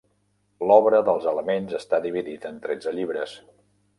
L'obra dels elements està dividida en tretze llibres.